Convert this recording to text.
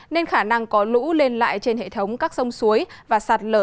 nên khả năng có lũ lên lại trên hệ thống các sông suối và sạt lở